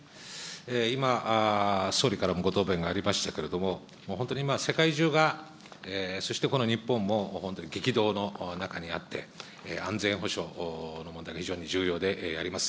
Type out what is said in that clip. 今、総理からもご答弁がありましたけれども、本当に今、世界中が、そしてこの日本も、本当に激動の中にあって、安全保障の問題が非常に重要であります。